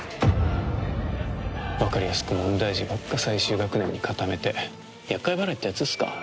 分かりやすく問題児ばっか最終学年に固めて厄介払いってやつですか？